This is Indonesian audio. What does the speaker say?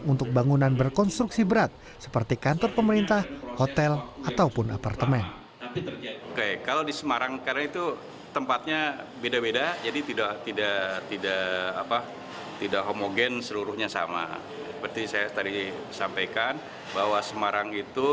untuk bangunan berkonstruksi berat seperti kantor pemerintah hotel ataupun apartemen